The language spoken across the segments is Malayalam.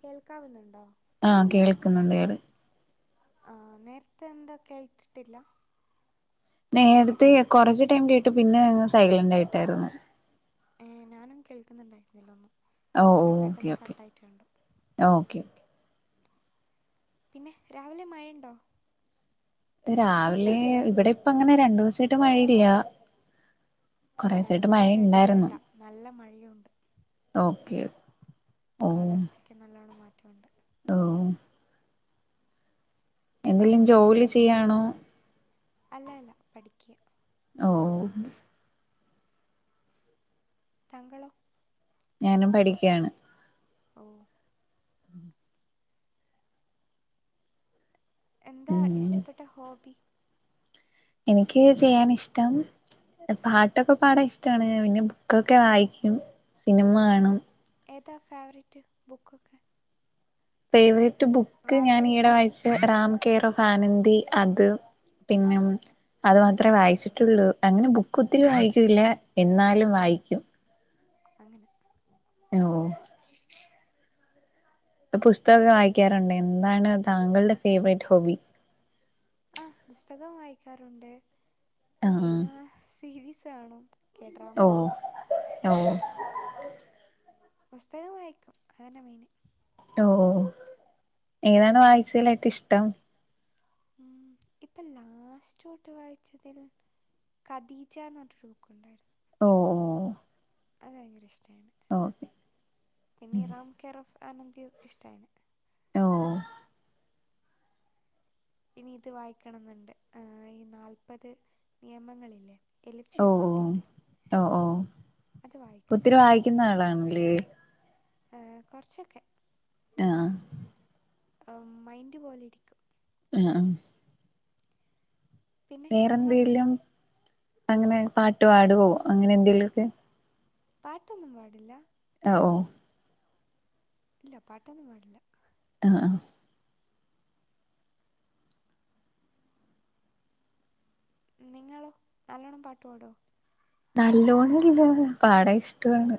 കേൾക്കാവുന്നുണ്ടോ ആഹ് കേൾക്കുന്നുണ്ട് കേടെ ആഹ് നേരത്തെ എന്താ കേട്ടിട്ടില്ല നേരത്തെ കൊറച്ച് ടൈം കേട്ട് പിന്നെ ഞങ് സൈലൻറ് ആയിട്ടായിരുന്നു ഏ ഞാനും കേൾക്കുന്നുണ്ടായിരുന്നില്ലൊന്നും ഓ ഓ പിന്നെ ഓക്കെ പെട്ടെന്ന് ഓക്കെ കട്ടായിട്ട് കണ്ടു ഓക്കെ പിന്നെ രാവിലെ മഴയുണ്ടോ രാവിലെ ഇവിടെ ഇപ്പ അങ്ങനെ രണ്ടു സയിട്ട് മഴ ഇല്ല ഏ കൊറേസായിട്ട് ഇവിടെ റെഡ് മഴണ്ടായിരുന്നു അലേർട്ടാ നല്ല മഴയുണ്ട് ഓക്കെ ഓ കാലാവസ്ഥക്ക് നല്ലൊണം മാറ്റമുണ്ട് ഓ എന്തെലും അതൊണ്ട്ന്ന് ജോലി ചെയ്യാണോ ചെയ്യഅല്ല അല്ല പഠിക്ക ഓ ഓ താങ്കളൊ ഞാനും പഠിക്കയാണ് ഓ ഉം എന്താ ഉം ഇഷ്ടപ്പെട്ട ഹോബി എനിക്ക് ചെയ്യാൻ ഇഷ്ടം പാട്ടൊക്കെ പാടാൻ ഇഷ്ടമാണ് പിന്നെ ബു ക്കൊക്കെ വായിക്കും സിനിമ കാണും ഏതാ ഫേവററ്റ് ബുക്കൊക്കെ ഫേവററ്റ് ബുക്ക് ഞാൻ ഈടെ വായിച്ചതില് വായിച്ച റാം കേറ ആനന്ന്ദി അത് പിന്നെ ആഹ് അത് മാത്രേ നല്ലൊരു സ്റ്റോറി വായിച്ചിട്ടൊള്ളൂ അങ്ങനെ ബുക്ക് ഒത്തിരി വായിക്കില്ല എന്നാലും വായിക്കും അങ്ങനെ ഓ പുസ്തകൊക്കെ വായിക്കാറുണ്ട് എന്താണ് താങ്കളുടെ ഫേവറേറ്റ് ഹോബി ആഹ് പുസ്തകം വായിക്കാറുണ്ട് ആഹ് പിന്നെ സീരീസ് കാണും കെ ഡ്രാമ ഓ കാണും ഓ പുസ്തകം വായിക്കും അതന്നെ മെയിന് ഓ ഏതാണ് വായിച്ചയില് ഇഷ്ടം ഉം ഇപ്പൊ ലാസ്റ്റ് തോട്ട് വായിച്ചതിൽ കദീജ എന്ന പറഞ്ഞൊരു ബുക്കുണ്ടായിരുന്നു ഓഹ് ഓഹ് അത് ഭയങ്കര ഇഷ്ടമാണ് ഓ പിന്നെ റാം കെയർ ഓഫ് ആനന്ദ ഇഷ്ടമായിമാണ് ഓഹ് ഇനി ഇത് വായിക്കണമെന്നുണ്ട് ഈ നാല്പത് നിയമങ്ങളില്ലേ എലിഫ് ഷഫാക്കിൻ്റെ ഓഹ് ഓഹ് അത് വായിക്കണായിരുന്നു ആളാണല്ലേ ഏ കുറച്ചൊക്കെ ആഹ് മൈൻഡ് പോലെ ഇരിക്കും ആഹ് ആഹ് പിന്നെ നിങ്ങളോ വേറെന്തെങ്കിലും അങ്ങനെ പാട്ട് പാടുവോ അങ്ങനെ എന്തെലുമക്കെ പാട്ടൊന്നും പാടില്ല ഓഹ് ഇല്ല പാട്ടൊന്നും പാടില്ല ആഹ് ആഹ് നിങ്ങളോ നല്ലോണ്ണം പാട്ടുപാടോ നല്ലോണംല്ല പാട ഇഷ്ടമാണ്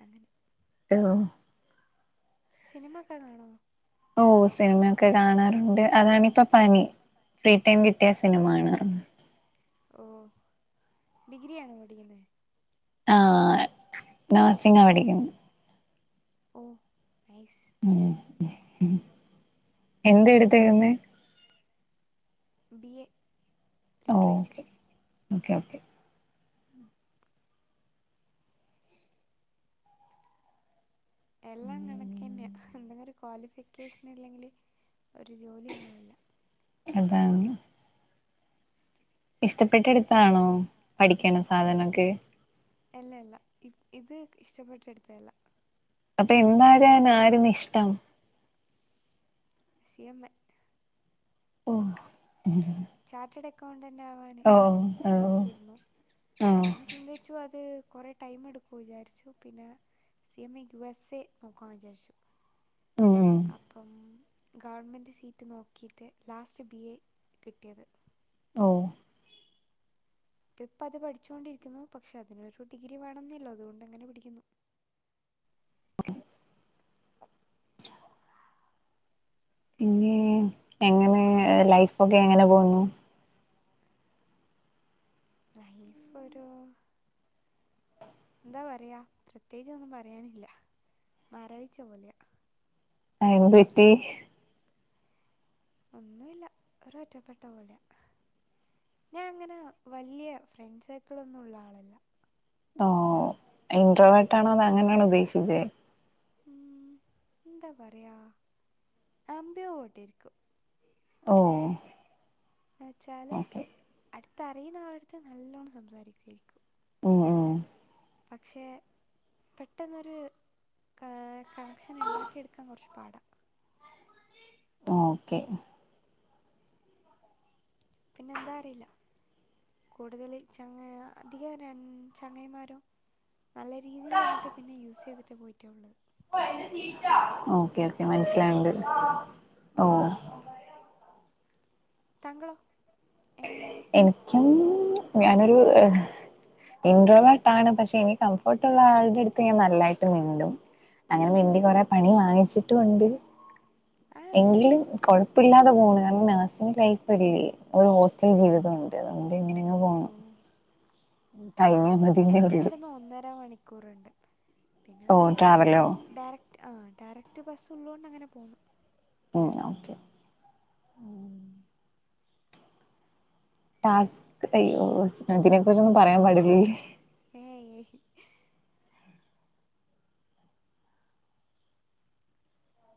അങ്ങനെ ഓഹ് സിനിമ ഒക്കെ കാണോ ഓ സിനിമൊക്കെ കാണാറുണ്ട് അതാണിപ്പോ പണി ഫ്രീ ടൈം കിട്ടിയ സിനിമാണ് ഓ ഡിഗ്രി ആണോ പഠിക്കുന്നത് ആഹ നഴ്സിങ്ങിന് പഠിക്കുന്നു ഓ നൈസ് ഉ എന്ത എടുത്തെക്കുന്നത് B A literature okay okay okay എല്ലാം കണക്കന്നെയ എന്തെങ്കിലും ഒരു ക്വാളിഫിക്കേഷൻ ഇല്ലെങ്കില് ഒരു ജോലി ഉണ്ടാവില്ല അതാണ് ഇഷ്ടപ്പെട്ടടുത്താണോ പഠിക്കണ സാധനമൊക്കെ അല്ല അല്ല ഇ ഇത് ഇഷ്ടപ്പെട്ടിടുത്തല്ല അപ്പൊ എന്താകാൻ ആരുനു ഇഷ്ടം സി എം എ ഓ ചാർട്ടഡ് അക്കൗണ്ടന്റ് ആവാൻ ഓ ഓ നോക്കിയിരുന്നു ഓ പിന്നെ ചിന്തിച്ചു അത് കുറേ ടൈമ എടുക്കു വിചാരിച്ചു പിന്നെ C M U S A നോക്കാൻ വിചാരിച്ചു ഉം ഉം അപ്പം ഗവൺമെൻറ് സീറ്റ് നോക്കിയിട്ട് ലാസ്റ്റ് ബി എ കിട്ടിയത് ഓഹ് ഇപ്പ ഇപ്പ അത് പഠിച്ചുകൊണ്ടിരിക്കുന്നു പക്ഷെ അതിനൊരു ഡിഗ്രി വേണംന്നല്ലോ അതുകൊണ്ട്ങ്ങനെ പഠിക്കുന്നു പിന്നെ എങ്ങനെ എന്താ അറിയില്ല ലൈഫൊക്കെ എങ്ങനെ പോന്നു ലൈഫ് ഒരു എന്താ പറയാ പ്രത്യേകിച്ചൊന്നും പറയാനില്ല മരവിച്ച പോലെയ അ എന്ത് പറ്റി ഒന്നുല്ല ഒരൊറ്റപ്പെട്ട പോല ഞാൻ അങ്ങനെ വലിയ ഫ്രണ്ട് സേർക്കിളൊന്നും ഉള്ള ആളല്ല ഓ ഇന്റർവെട്ട ആണോ അത് അങ്ങനെയണോ ഉദ്ദേശിച്ചത് ഉ എന്താ പറയാ അബിയോ ഓട്ടിരിക്കും ഓ എന്ന് വെച്ചാല് ഓക്കെ അടുത്തറിയുന്ന ആളെടുത്ത് നല്ലോണ്ണം സംസാരിക്കുവേ ഉം ഉം പക്ഷേ പെട്ടെന്നൊരു കണക്ഷൻ ഉണ്ടാക്കിയെടുക്കാൻ കുറച്ച് പാടാ ആഹ് ഓക്കേ പിന്നെ എന്താ അറിയില്ല കൂടുതല് ചങ്ങാ അധികം ആരാ ചങ്ങായിമാരോ നല്ല രീതിയിൽ നിന്നിട്ട് പിന്നെ യൂസ് ചെയ്തിട്ട് പോയിട്ടേ ഉള്ളു ഓക്കെ ഓക്കെ അതുകൊണ്ട് അതൊക്കെ മനസിലാവുണ്ട് പേടിയാ ഓഹ് താങ്കളോ എങ്ങനെയാന്ന് എനിക്കും ഞാനൊരു ഇൻഡ്രോ ആണ് പക്ഷെ എനി കംഫോർട്ടുള്ള ആളുടെ അടുത്ത് ഞാൻ നല്ലായിട്ട് മിണ്ടും അങ്ങനെ വേണ്ടി കൊറെ ആഹ് പണി വാങ്ങിച്ചിട്ടുണ്ട് ആ അതന്നെ എങ്കിലും കുഴപ്പമില്ലാതെ പോകുന്നു കാരണം നഴ്സിങ് ലൈഫല്ലേ ഒറ്റ ജീവിതം ഉണ്ട് അതുകൊണ്ട് ഇങ്ങനങ്ങ് പോണു ഓ തൈങ്ങാണ് എനിക്ക് ഇവിടുന്ന് ഒന്നര മണിക്കൂറുണ്ട് പിന്നെ ഓ ട്രാവലോ ഡയറക്റ്റ് ആഹ് ഡയറക്റ്റ് ബസ്സുള്ളോണ്ട് അങ്ങനെ പോന്നു ഉം ഓക്കെ ടാസ്ക് അയ്യോ അതിനെ കുറിച്ചൊന്നും പറയാൻ പാടില്ലേ ഏയ് ഏഹ്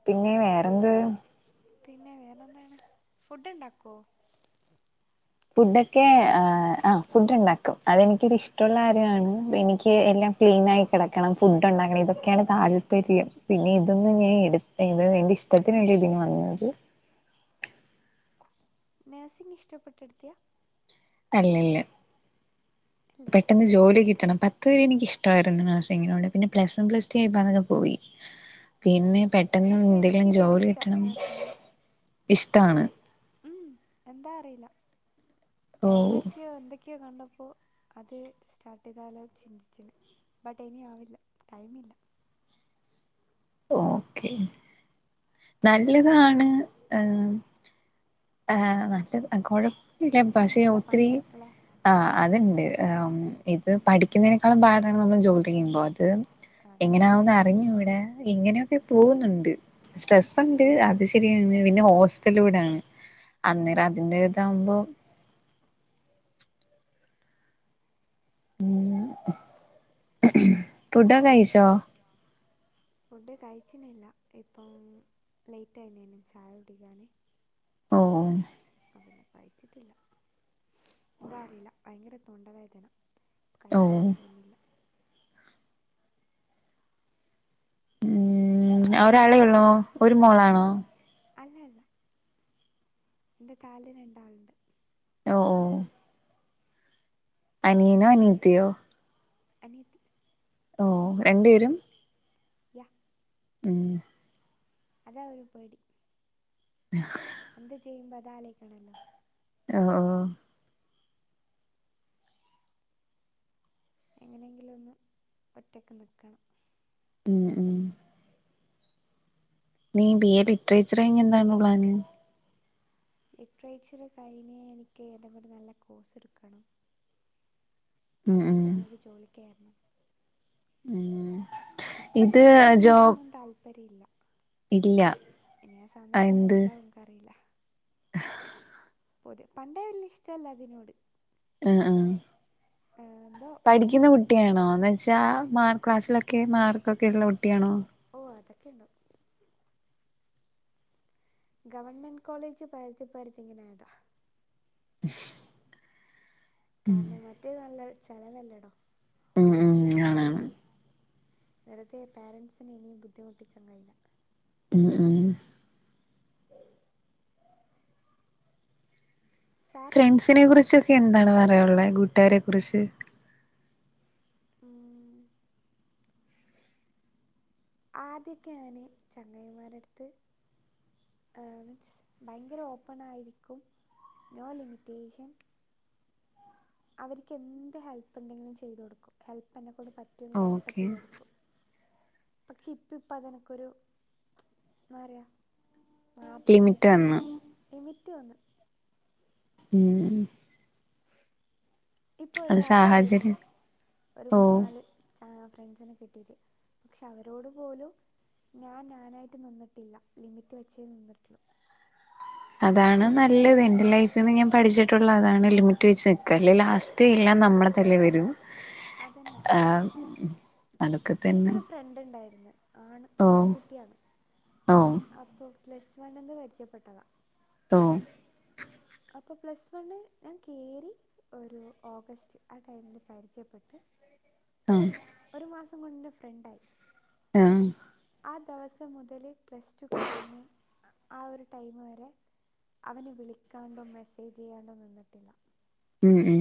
പിന്നെ വേറെന്ത് പിന്നെ വേറെ എന്താണ് ഫുഡ് ഉണ്ടാക്കുവോ ഫുഡൊക്കെ ആഹ് ഫുഡ് ഉണ്ടാക്കും അതെനിക്ക് ഇഷ്ടമുള്ള കാര്യമാണ് എനിക്ക് എല്ലാം ക്ലീനായി കിടക്കണം ഫുഡ് ഉണ്ടാക്കണം ഇതൊക്കെയാണ് താല് പ്പര്യം പിന്നെ ഇതൊന്ന് ഞാൻ എടു ഇത് എൻ്റെ ഇഷ്ടത്തിനാണ് ഇതിന് വന്നത് നേഴ്സിംഗ് ഇഷ്ടപ്പെട്ടെടുത്തിയ അല്ലല്ല അല്ലേ പെട്ട് ട്ടെന്ന് ജോലി കിട്ടണം. പത്ത് വരെ എനിക്ക് ഇഷ്ടായിരുന്നു നഴ്സിങ്ങിനോട് പിന്നെ പ്ലസ് വൺ പ്ലസ് ടു ആയപ്പോ അതൊക്കെ പോയി പിന്നെ പെട്ടെന്ന് പക്ഷെ എനിക്ക് എന്തെലും ഇപ്പ ജോലി ഇഷ്ടാ കിട്ടണം നഴ്സിങ് ഇഷ്ടാണ് ഉം എന്താ അറീല. ഓ എവിടെക്ക്യോ എന്തൊ ക്ക്യോ കണ്ടപ്പോ അത് സ്റ്റാർട്ടെയ്താലോ ചിന്തിച്ചീന് ബട്ട് ഇനിയാവില്ല ടൈമില്ല ഓക്കെ നല്ലതാണ് ഹ് ആഹ് നല്ലത് കുഴപ്പില്ല പക്ഷെ പഷെ നല്ല ഒത്തിരി പണിയാ അല്ലേ ആഹ് അതൊണ്ട് ഉം ഇത് ഉം പഠിക്കുന്നതിനേക്കാളും പാടാണ് നമ്മള് ജോലി ചെയ്യുമ്പോ അത് അതന്നെ എങ്ങനെയാവുന്നറിഞ്ഞൂടാ ഇങ്ങനെയൊക്കെ പോവുന്നുണ്ട് സ്ട്രെസ്സുണ്ട് അത് ശരിയാണ് പിന്നെ ഹോസ്റ്റലൂടാണ് അന്നേരം അതിന്റെ ഓ ഇതാവുമ്പോ ഉംഹ് ഫുഡൊക്കെ കഴിച്ചോ ഫുഡ് കഴിച്ചിനില്ല ഇപ്പം ലേറ്റ് ആയിണ്ടേനി ചായുടിക്കാന് ഓഹ് അപ്പപ്പിന്നേ കഴിച്ചിട്ടില്ല. എന്താ അറീല ഭയങ്കര തൊണ്ടവേദന ഓ കയ്ക്കാനൊന്നും തോന്നുന്നില്ല ഉം പിന്നെ ഒരാളെ ഉള്ളൂ ഒരു മോളാണോ അല്ല അല്ല ന്റെ താല് രണ്ടാളുണ്ട് ഓ ഓഹ് അനിയനോ അനിയത്തിയോ അനിയത്തി ഓഹ് രണ്ട് പേരും യ ഉം അതാ ഒരു പേടി ഹ് എന്ത് ചെയ്യുമ്പ അത് ആലൊയ്ക്കണല്ലോ ആ ആഹ് എങ്ങനെങ്കിലും ഒന്ന് ഒറ്റക്ക് നിക്കണം ഉം ഉം നീ ബി എ ലിറ്റ്റേച്ചർ കഴിഞ്ഞെന്താണ് പ്ലാന് ലിറ്റ്റേച്ചർ കഴിഞ് എനിക്ക് ഏതെങ്കിലും നല്ല കോഴ്സ് എടുക്കണം ഉം ഉം നല്ലൊരു ജോലിക്കേർണം ഉം ഇപ്പ ഇത് ജോബ് ടീച്ചിങ്ങിനോടൊന്നും താല്പര്യല്ല ഇല്ല ഇനി ആ സമയത്ത് എന്ത് എന്തെങ്ക്ണ്ടാവും ഇൻക്കറീല പൊത് പണ്ടെ വല്ല്യ ഇഷ്ടല്ല അതിനോട് അ ആ എന്തോ പഠിക്കുന്ന പണ്ടേ കുട്ടിയാണോ എന്ന്ച്ച മാർക്ക് ക്ലാസ്സിലൊക്കെ മാർക്കൊക്കെ ഉള്ള കുട്ടിയാണോ ഓ അതെക്കെണ്ട് ഗവൺമെന്റ് കോളേജ് പര്തി പര്തി ങ്ങനെ ആയതാ മ്ഷ്.. കാരണം മറ്റേ നല്ല ചെലവല്ലടോ ഉം ഉം ആണ വെർതെ പാരൻറ്സിനെ ഇനിയും ബുദ്ധിമുട്ടിക്കാൻ കയില ഉം ഉം സാരല്ല ഫ്രണ്ട്സിനെ കുറിച്ചൊക്കെ എന്താണ് പറയാനുള്ളത് കൂട്ടുകാരെ കുറിച്ച്. ളം ആദ്യ ഒക്കെ ഞാന് ചെങ്ങായിമാരെടുത്ത് ആ മീൻസ് ഭയങ്കര ഓപ്പണാ ആയിരിക്കും നോ ലിമിറ്റേഷൻ അവർക്ക് എന്ത് ഹെൽപ്പ് ണ്ടെങ്കിലും ചെയ്തു കൊടുക്കും ഹെൽപ് എന്നെകൊണ്ട് പറ്റ് റ്റുങ്ങെ എപ്പ ഓക്കെ ചെയ്തോടുക്കും പക്ഷെ ഇപ്പ ഇപ്പഅനക്കൊരു ന്നറിയാ ലിമിറ്റ് മാറ്റമായിട്ട് വന്ന് ക് ലിമിറ്റ് വന്ന് ഉം ഇപ്പൊ ഒരു അത് വർഷയിട്ടല്ലോ സാഹചര്യം ഒരു ഓ മൂ നാല് ഫ്രണ്ട്സിനെ കിട്ടിട്ട് പക്ഷെ അവരോട് പോലും ഞാൻ ഞാനായിട്ട് നിന്നിട്ടില്ല ലിമിറ്റ് വെച്ചേ നിന്നിട്ടുള്ളു അതാണ് നല്ലത് എൻ്റെ ലൈഫിൽന്ന് ഞാൻ പഠിച്ചിട്ടുള്ള അതാണ് ലിമിറ്റ് വെച്ച് നിൽക അല്ലേ ലാസ്റ്റ് കുറ്റം എല്ലാം നമ്മള തലേ വരും അതന്നെ ആ എനിക്കൊരു ഫ്രണ്ട് ണ്ടായിര്ന്ന് ആൺ ഓ ആൺകുട്ടിയാണ് ഓ അപ്പോ പ്ലസ് വണ്ണ്ന്ന് പരിചയപ്പെട്ടതാ ഓ അപ്പോൾ പ്ലസ് വണ് ഞാൻ കേറി ഒരു ഓഗസ്റ്റ് ആ ടൈമിൽ പരിചയപ്പെട്ട് ആഹ് ഒരു മാസം കൊണ്ട് ഫ്രണ്ടായി എഹ് ആ ദിവസം മുതല് പ്ലസ്ടു കയിന് ആ ഒരു ടൈമ് വരെ അവന് വിളിക്കാണ്ടോ മെസ്സേജ് ചെയ്യാണ്ടോ നിന്നിട്ടില്ല ഹ്ഹ്.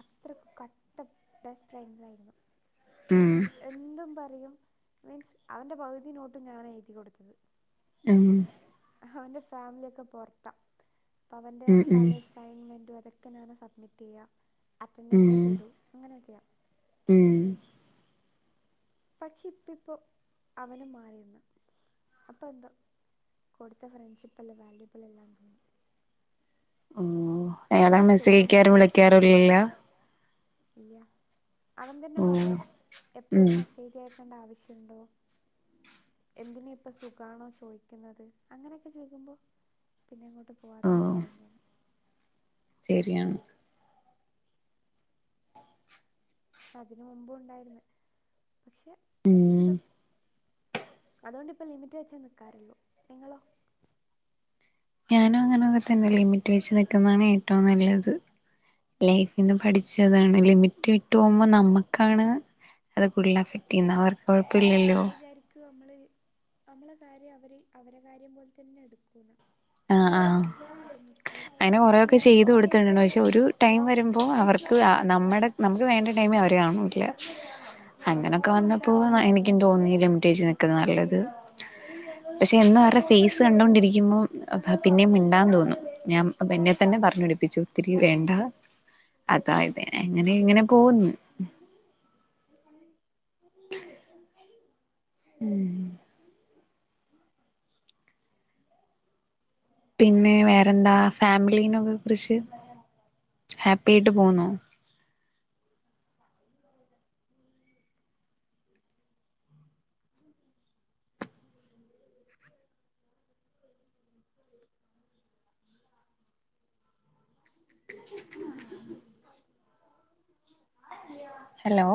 അത്രയ്കു. കട്ട ബെസ്റ്റ് ഫ്രൻസ് ആയിരുന്നു. മ്മ്ഹ്.. എന്തും പറയും മീൻസ് അവൻ്റെ പകുതി നോട്ടും ഞാന എഴുതി കൊടുത്തത്. മ്മ്ഹ്. അവന്റെ ഫാമിലിയൊക്കെ പൊറത്ത അവന്റെ ഉം പലസ് അസൈൻമെൻഡും അതൊക്കെ ഞാന സബ്മിറ്റ്യ്യ, ഉം അറ്റൻഡൻസ് ഉം ഒക്കെ ഇടും. അങ്ങനെയൊക്കെയാ. ഉം പക്ഷെ ഇപ്പ ഇപ്പോ അവനും മാറിന്ന്. അപ്പൊ എന്തോ കൊടുത്ത ഫ്രണ്ട്ഷിപ്പല്ലം വാല്യൂബിള എല്ലാ തോന്നി. മ് ഹ ഒരു സുഖമാ. ഇല്ല അവൻ തന്നെ ഓ പറഞ്ഞു. എപ്പഴും ഉം മെസ്സേജ് അയക്കണ്ട ആവശ്യംണ്ടോ. എന്തിന് ഇപ്പൊ സുഖണോ ചോയി ക്കുന്നത് അങ്ങനെക്കെ ചോയി ക്കുമ്പോ. പിന്നെ അങ്ങോട്ട് ഓ പോവാത്തെ നല്ലെ തോന്നി. ശരിയാണ്. അതിന് മുമ്പ്ണ്ടായിര്ന്ന് പക്ഷെ ഉം ന്തോ. അതോണ്ടിപ്പൊ. ലിമിറ്റ് വെച്ചെ നിക്കാറുള്ളോ നിങ്ങളോ? ഞാനും അങ്ങനെയൊക്കെ തന്നെ ലിമിറ്റ് വെച്ച് നിൽക്കുന്നതാണ് ഏറ്റവും നല്ലത് ലൈഫിന്ന് ആഹ് പഠിച്. താണ് ലിമിറ്റ് വിട്ട് പോകുമ്പോൾ നമ്മുക്കാണ് അത് ഫുൾ എഫക്റ്റ് ചെയ്യുന്ന അവർക്ക് കൊഴപ്പില്ലല്ലോ നമ്മൾ വിചാരിക്കും നമ്മള് അമ്മളെ കാര്യം അവര് അവരെ കാര്യം പോലെ തന്നെ എടുക്കൂന്നു. ആ ആഹ ചെയ്യും അങ്ങനെ കൊറെക്കെ ചെയ്ത് കൊടുത്തിട്ടുണ്ട് പക്ഷെ ഒരു ടൈം വരുമ്പോൾ അവർ നമ്മുടെ നമുക്ക് വേണ്ട ടൈമ് അവരെ കാണുല്ല അങ്ങനൊക്കെ വന്നപ്പോ എനിക്കും തോന്നി ലിമിറ്റേഷനൊക്ക നല്ലത് പക്ഷെ എന്നും അവര ഫേസ് കണ്ടോണ്ടിരിക്കുമ്പോം പിന്നേും മിണ്ടാന് തോന്നും ഞാൻ പിന്നെ തന്നെ പറഞ്ഞു പിടിപ്പിച്ചു ഒത്തിരി വേണ്ട അതായതെ അങ്ങനെ ഇങ്ങനെ പോവുന്നു. [inaudible] ഉം പിന്നെ വേറെന്താ ഫാമിലീനൊക്കെ കുറിച്ച് ഹാപ്പി ആയിട്ട് പോവുന്നോ ഹലോ